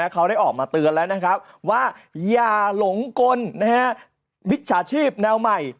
เขาได้ออกมาเตือนแล้วนะครับว่าอย่าหลงกลมิจฉาชีพแนวใหม่